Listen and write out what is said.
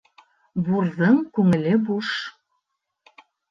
Бурҙың күңеле буш.